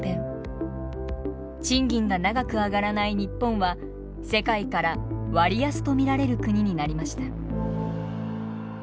賃金が長く上がらない日本は世界から割安と見られる国になりました。